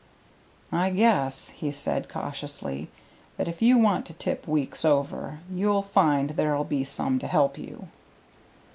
"I guess," he said cautiously, "that if you want to tip Weeks over, you'll find there'll be some to help you."